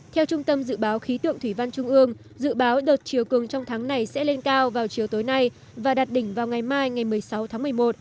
theo trung tâm dự báo khí tượng thủy văn trung ương dự báo đợt chiều cường trong tháng này sẽ lên cao vào chiều tối nay và đặt đỉnh vào ngày mai ngày một mươi sáu tháng một mươi một